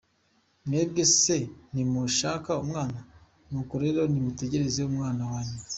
Mwebwe se ntimushaka umwana? Nuko rero nimutegereze umwana wa nyuma.